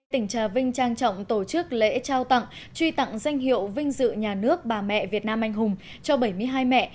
tỉnh trà vinh trang trọng tổ chức lễ trao tặng truy tặng danh hiệu vinh dự nhà nước bà mẹ việt nam anh hùng cho bảy mươi hai mẹ